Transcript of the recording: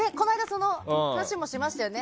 その話もしましたよね。